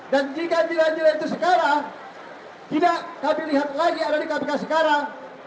dan jika nilai nilai itu sekarang tidak kami lihat lagi ada di kpk sekarang